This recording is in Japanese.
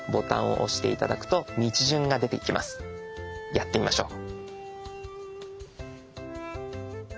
やってみましょう。